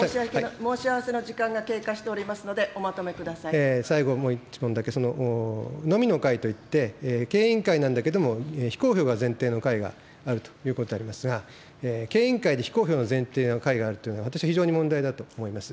申し合わせの時間が経過しており最後、もう１問だけ。のみの会といって、経営委員会なんだけれども、非公表が前提の会があるということでありますが、経営委員会ということで非公開の会があるというのは、私は非常に問題だと思います。